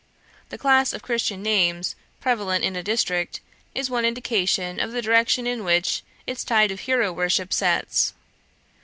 The class of Christian names prevalent in a district is one indication of the direction in which its tide of hero worship sets.